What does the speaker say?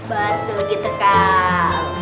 betul gitu kak